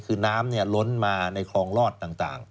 คือน้ำล้นมาในคลองลอดต่าง